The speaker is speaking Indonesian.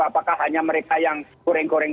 apakah hanya mereka yang goreng goreng